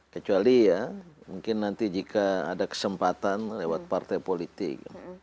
kecuali ya mungkin nanti jika ada kesempatan lewat partai politik